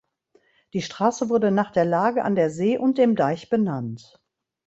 Die Straße wurde nach der Lage an der See und dem Deich benannt.